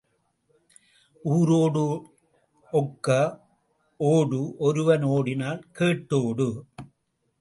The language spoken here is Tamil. ஊரோடு ஒக்க ஓடு ஒருவன் ஓடினால் கேட்டு ஓடு.